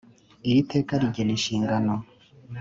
Iri teka rigena inshingano